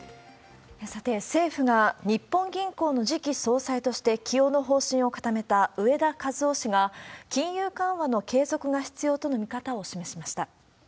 さて、政府が日本銀行の時期総裁として起用の方針を固めた植田和男氏が、金融緩和の継続が必要との見方を示しました。